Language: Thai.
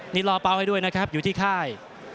นี่รอเป้าให้ด้วยนะครับอยู่ที่ค่าย